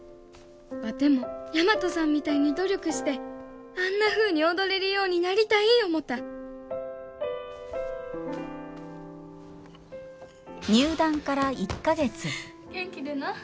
ワテも大和さんみたいに努力してあんなふうに踊れるようになりたい思うた入団から１か月元気でな。